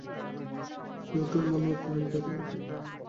কিয়োটোয় নামার প্ল্যানটাতেই থাকবো আমরা।